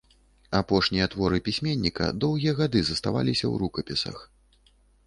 Апошнія творы пісьменніка доўгія гады заставаліся ў рукапісах.